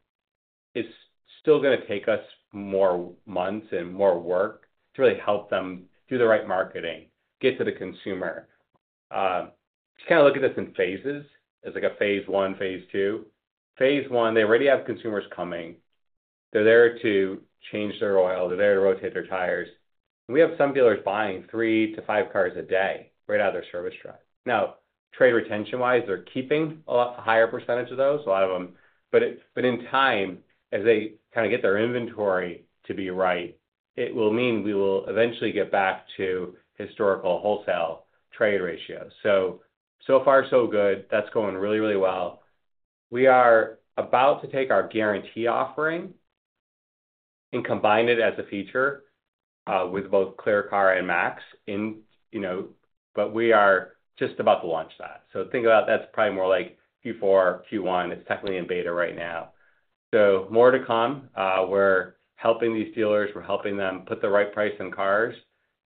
is still going to take us more months and more work to really help them do the right marketing, get to the consumer. Just kind of look at this in phases. It's like a phase one, phase two. Phase one, they already have consumers coming. They're there to change their oil, they're there to rotate their tires. We have some dealers buying three to five cars a day right out of their service drive. Now, trade retention wise, they're keeping a higher percentage of those, a lot of them, but in time as they kind of get their inventory to be right, it will mean we will eventually get back to historical wholesale trade ratios. So far, so good. That's going really, really well. We are about to take our guarantee offering and combine it as a feature with both ClearCar and MAX. We are just about to launch that, so think about that's probably more like Q4, Q1. It's definitely in beta right now. More to come. We're helping these dealers, we're helping them put the right price in cars,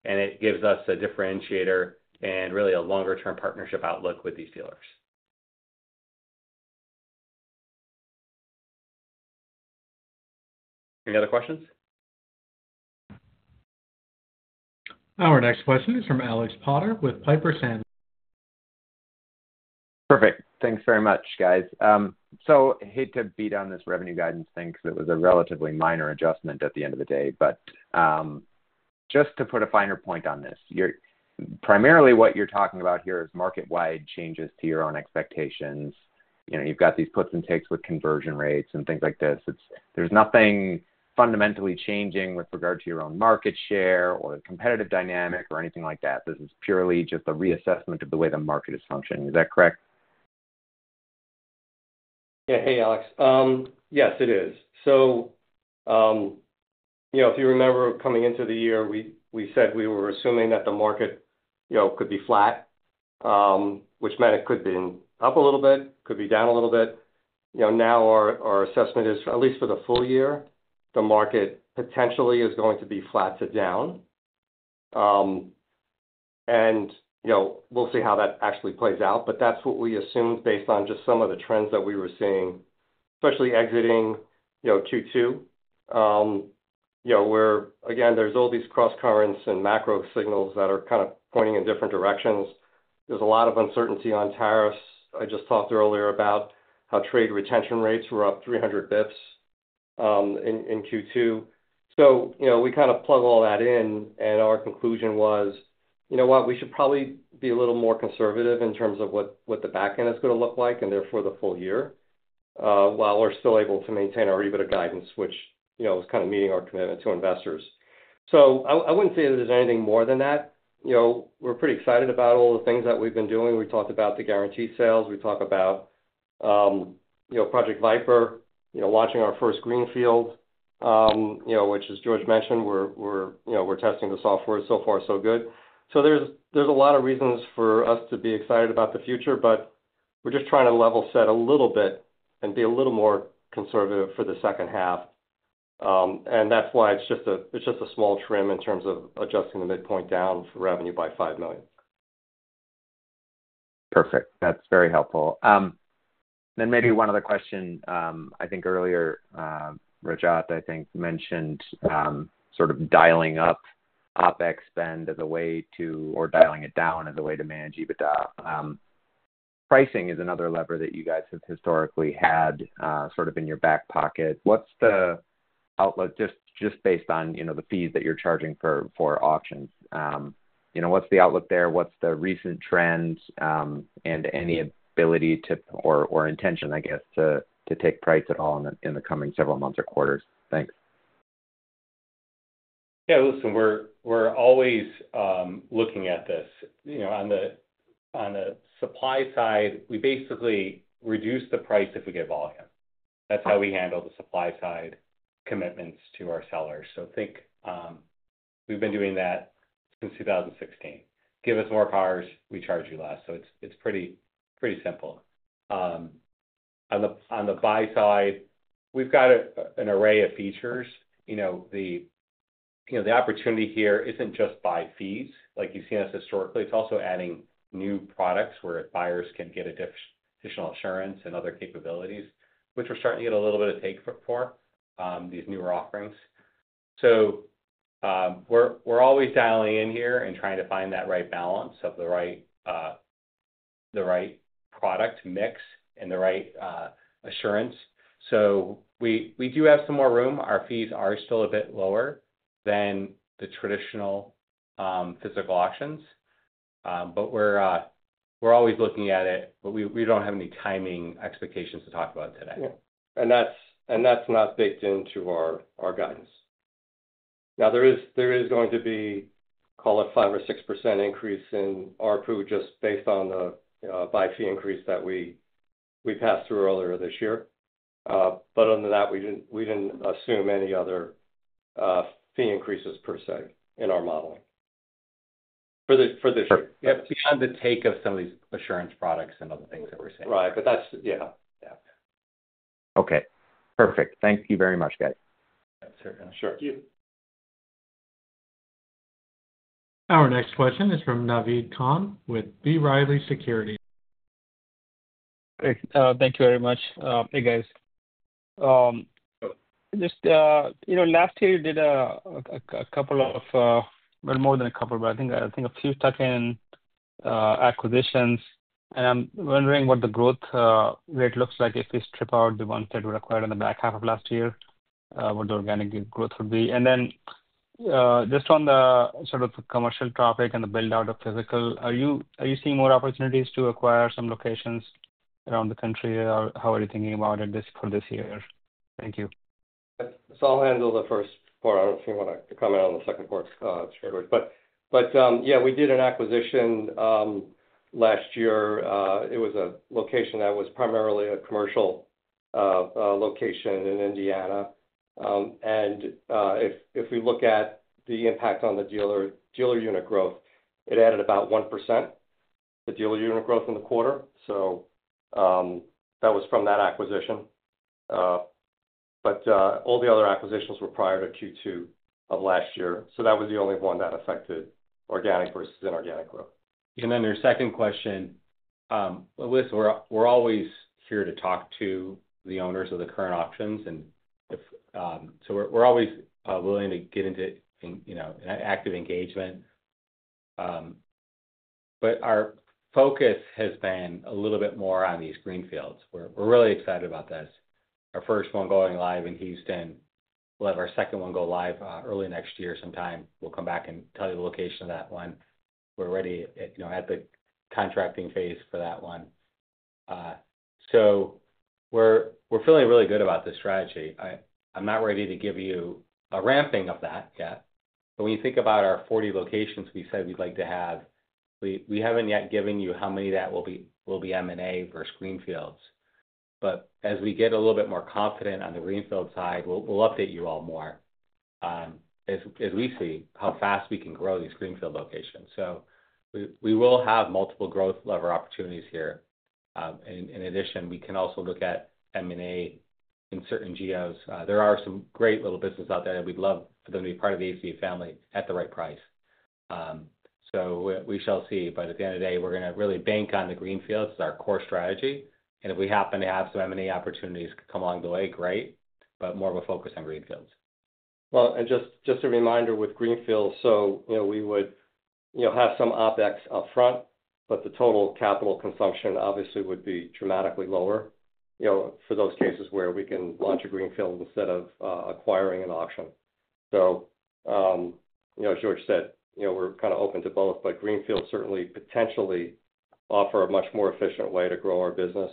and it gives us a differentiator and really a longer-term partnership outlook with these dealers. Any other questions? Our next question is from Alex Potter with Piper Sandler. Perfect. Thanks very much, guys. I hate to beat on this revenue guidance thing because it was a relatively minor adjustment at the end of the day, but just to put a finer point on this. Primarily, what you're talking about here is market-wide changes to your own expectations. You've got these puts and takes with conversion rates and things like this. There's nothing fundamentally changing with regard to your own market share or competitive dynamic or anything like that. This is purely just a reassessment of the way the market is functioning. Is that correct? Yeah. Hey, Alex. Yes, it is. If you remember coming into the year, we said we were assuming that the market could be flat, which meant it could be up a little bit, could be down a little bit. Now our assessment is at least for the full year, the market potentially is going to be flat to down and we'll see how that actually plays out. That's what we assumed based on just some of the trends that we were seeing, especially exiting Q2, where again, there's all these cross currents and macro signals that are kind of pointing in different directions. There's a lot of uncertainty on tariffs. I just talked earlier about how trade retention rates were up 300 basis points in Q2. We kind of plug all that in and our conclusion was, you know what, we should probably be a little more conservative in terms of what the back end is going to look like and therefore the full year while we're still able to maintain our EBITDA guidance, which was kind of meeting our commitment to investors. I wouldn't say that there's anything more than that. We're pretty excited about all the things that we've been doing. We talked about the guaranteed sales, we talk about Project Viper, launching our first greenfield, which as George mentioned, we're testing the software. So far so good. There's a lot of reasons for us to be excited about the future, but we're just trying to level set a little bit and be a little more conservative for the second half. That's why it's just a small trim in terms of adjusting the midpoint down revenue by $5 million. Perfect. That's very helpful. Maybe one other question, I think earlier, Rajat, I think mentioned sort of dialing up OpEx spend as a way to, or dialing it down as a way to manage EBITDA. Pricing is another lever that you guys have historically had sort of in your back pocket. What's the outlook just based on, you know, the fees that you're charging for auctions, you know, what's the outlook there, what's the recent trend and any ability to, or intention, I guess to take price at all in the coming several months or quarters. Thanks. Yeah, listen, we're always looking at this, you know, on the supply side we basically reduce the price if we get volume. That's how we handle the supply side commitments to our sellers. I think we've been doing that since 2016. Give us more cars, we charge you less. It's pretty simple. On the buy side, we've got an array of features. The opportunity here isn't just buy fees. Like you've seen us historically. It's also adding new products where buyers can get additional assurance and other capabilities. Which we're starting to get a little. We're always dialing in here and trying to find that right balance of the right product mix and the right assurance. We do have some more room. Our fees are still a bit lower than the traditional physical auctions, and we're always looking at it. We don't have any timing expectations to talk about today. That’s not baked into our guidance. There is going to be, call it, a 5% or 6% increase in ARPU just based on the buy fee increase that we passed through earlier this year. Other than that, we didn't assume any other fee increases per se in our model for this. Take of some of these assurance products and other things that we're saying. Right. That's okay, perfect. Thank you very much, guys. Sure. Sure. Our next question is from Naved Khan with B. Riley Securities. Thank you very much. Hey guys. Just last year you did a couple of, well, more than a couple, I think. A few stuck in acquisitions. Wondering what the growth rate looks like if we strip out the ones that were acquired in the back half of last year, what the organic growth would be. Just on the sort of commercial traffic and the build out of physical. Are you seeing more opportunities to acquire some locations around the country? How are you thinking about it for this year? Thank you. I'll handle the first part. I don't see what I comment on the second part. Yeah, we did an acquisition last year. It was a location that was primarily a commercial location in Indiana. If we look at the impact on the dealer unit growth, it added about 1% to the dealer unit growth in the quarter. That was from that acquisition. All the other acquisitions were prior to Q2 of last year. That was the only one that affected organic versus inorganic growth. Your second question. We're always here to talk to the owners of the current options, and if so, we're always willing to get into active engagement. Our focus has been a little bit more on these greenfield. We're really excited about this, our first one going live in Houston, Texas. We'll have our second one go live early next year sometime. We'll come back and tell you. Location of that one. We're already at the contracting phase for that one. We're feeling really good about this strategy. I'm not ready to give you a ramping of that yet, but when you think about our 40 locations we said we'd like to have, we haven't yet given you how many that will be M&A versus greenfields. As we get a little bit more confident on the greenfield side, we'll update you all more as we see how fast we can grow these greenfield locations. We will have multiple growth lever opportunities here. In addition, we can also look at M&A in certain geos. There are some great little business out there that we'd love for them to be part of the ACV family at the right price. We shall see. At the end of the day, we're going to really bank on the greenfields, our core strategy. If we happen to have some M&A opportunities come along the way, great. More of a focus on greenfields. Just a reminder with greenfields, we would have some OpEx up front, but the total capital consumption obviously would be dramatically lower for those cases where we can launch a greenfield instead of acquiring an option. George said we're kind of open to both, but greenfield certainly potentially offer a much more efficient way to grow our business.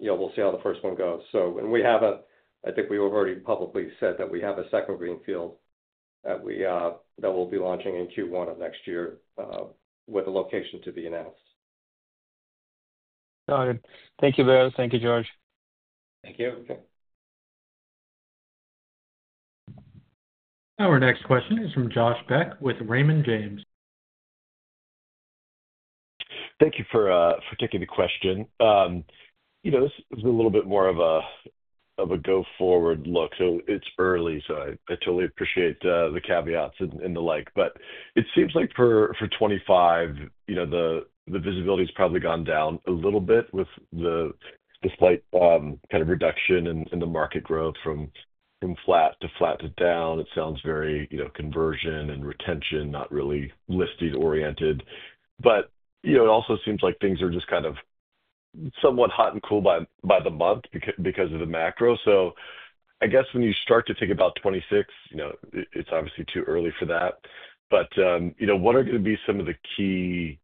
We'll see how the first one goes. We have already publicly said that we have a second greenfield that will be launching in Q1 of next year with a location to be announced. Thank you Bill. Thank you, George. Thank you. Our next question is from Josh Beck with Raymond James. Thank you for taking the question. This is a little bit more of a go forward look. It's early, so I totally appreciate the caveats and the like, but it seems like for 2025, the visibility has probably gone down a little bit with the slight kind of reduction in the market growth from flat to flat to down. It sounds very conversion and retention, not really listed oriented. It also seems like things are just kind of somewhat hot and cool by the month because of the macro. I guess when you start to think about 2026, it's obviously too early for that. What are going to be some of the key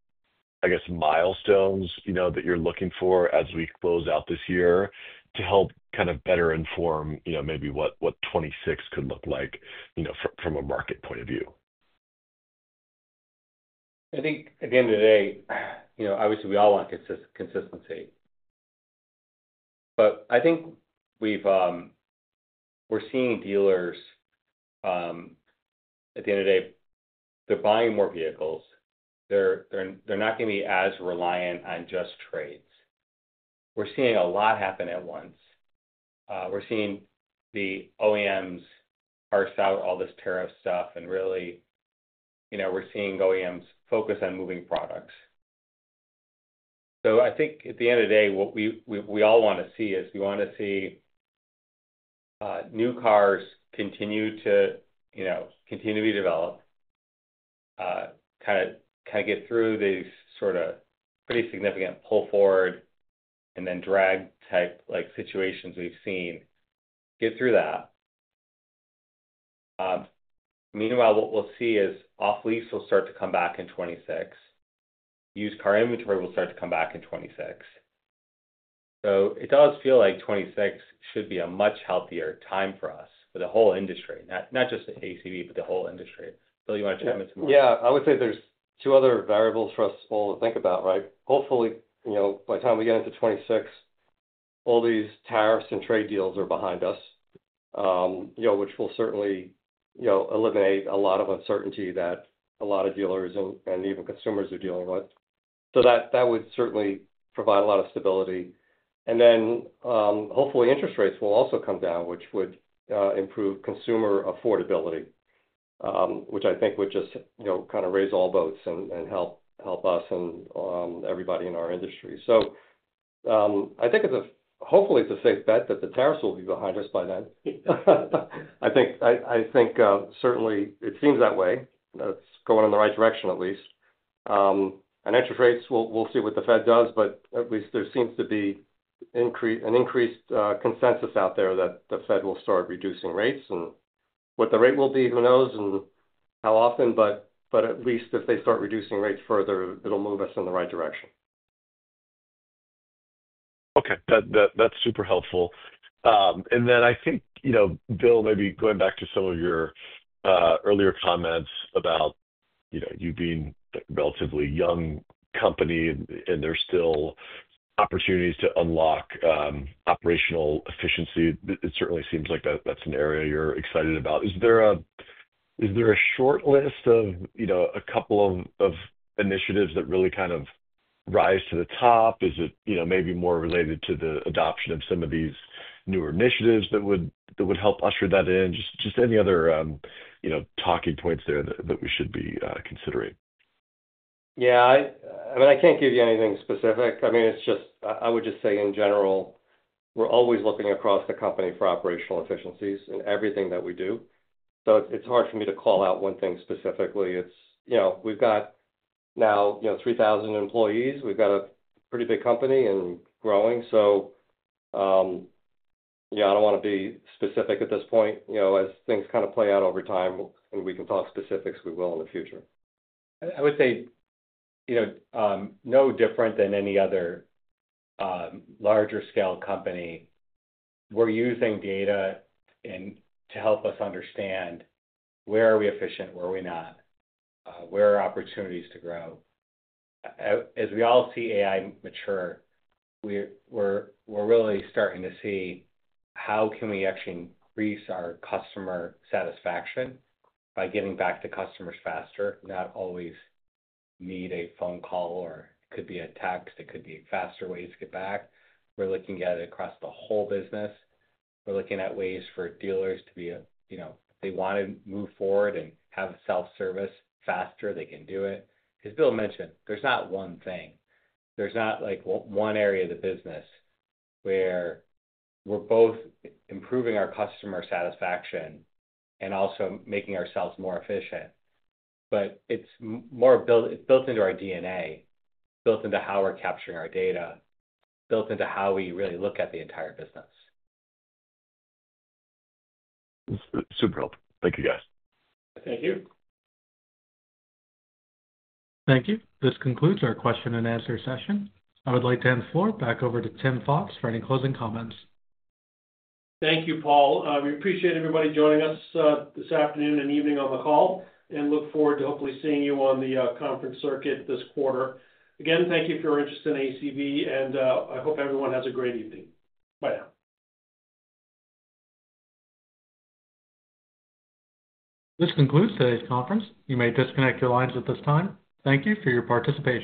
milestones that you're looking for as we close out this year to help kind of better inform maybe what 2026 could look like from a market point of view. I think at the end of the day, obviously we all want consistency. But. I think we're seeing dealers, at the end of the day, they're buying more vehicles, they're not going to be as reliant on just trades. We're seeing a lot happen at once. We're seeing the OEMs parse out all this tariff stuff, and really we're seeing OEMs focus on moving products. I think at the end of the day what we all want to see is we want to see new cars continue to be developed, kind of get through these pretty significant pull forward and then drag type situations we've seen, get through that. Meanwhile, what we'll see is off lease will start to come back in 2026. Used car inventory will start to come back in 2026. It does feel like 2026 should be a much healthier time for us, for the whole industry, not just ACV, but the whole industry. Bill, you want to chime in some more? Yeah. I would say there's two other variables for us all to think about. Right. Hopefully by the time we get into 2026, all these tariffs and trade deals are behind us, which will certainly eliminate a lot of uncertainty that a lot of dealers and even consumers are dealing with. That would certainly provide a lot of stability. Hopefully interest rates will also come down, which would improve consumer affordability, which I think would just kind of raise all boats and help us and everybody in our industry. I think it's a, hopefully it's a safe bet that the tariffs will be behind us by then. I think certainly it seems that way, it's going in the right direction at least. Interest rates, we'll see what the Fed does, but at least there seems to be an increased consensus out there that the Fed will start reducing rates and what the rate will be, who knows and how often. If they start reducing rates further, it'll move us in the right direction. Okay, that's super helpful. I think, Bill, maybe going back to some of your earlier comments about you being a relatively young company and there are still opportunities to unlock operational efficiency. It certainly seems like that's an area you're excited about. Is there a short. Is it maybe more related to the adoption of some of these newer initiatives that would help usher that in? Just any other talking points there that we should be considering? I can't give you anything specific. I would just say in general we're always looking across the company for operational efficiencies and everything that we do. It's hard for me to call out one thing specifically. We've got now 3,000 employees. We've got a pretty big company and growing. I don't want to be specific at this point. As things kind of play out over time, we can talk specifics. We will in the future. I would say no different than any other larger scale company. We're using data to help us understand. Where are we efficient, where are we not, where are opportunities to grow? As we all see AI mature, we're really starting to see how can we actually increase our customer satisfaction by getting back to customers faster. Not always need a phone call or could be a text. It could be faster ways to get back. We're looking at it across the whole business. We're looking at ways for dealers to be, you know, they want to move forward and have a self service faster, they can do it. As Bill mentioned, there's not one thing, there's not like one area of the business where we're both improving our customer satisfaction and also making ourselves more efficient. It's more built. It's built into our DNA, built into how we're capturing our data, built into how we really look at the entire business. Super helpful. Thank you, guys. Thank you. Thank you. This concludes our question and answer session. I would like to hand the floor back over to Tim Fox for any closing comments. Thank you, Paul. We appreciate everybody joining us this afternoon. I look forward to hopefully seeing you on the conference circuit this quarter again. Thank you for your interest in ACV and I hope everyone has a great evening. Bye now. This concludes today's conference. You may disconnect your lines at this time. Thank you for your participation.